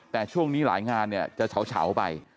แต่ช่วงนี้หลายงานจะเฉาไป